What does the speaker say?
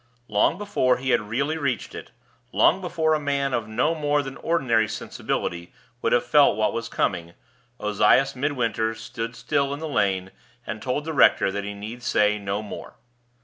Long before he had really reached it long before a man of no more than ordinary sensibility would have felt what was coming Ozias Midwinter stood still in the lane, and told the rector that he need say no more.